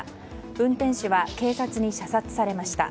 運転手は警察に射殺されました。